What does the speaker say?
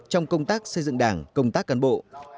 trong công tác xây dựng đảng công tác cán bộ